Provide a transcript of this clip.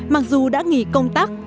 mặc dù đã nghỉ công tác